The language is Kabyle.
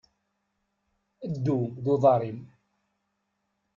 Ddu d uḍaṛ-im!